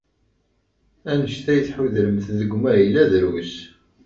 Anect ay tḥudremt deg umahil-a drus.